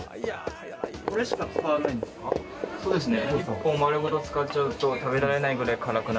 そうですね。